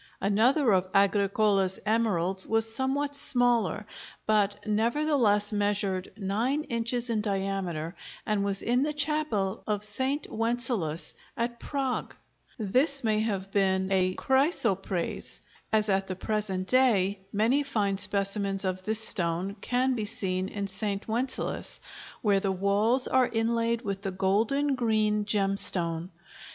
Another of Agricola's emeralds was somewhat smaller, but nevertheless measured nine inches in diameter and was in the chapel of St. Wenceslaus, at Prague; this may have been a chrysoprase, as at the present day many fine specimens of this stone can be seen in St. Wenceslaus, where the walls are inlaid with the golden green gem stone.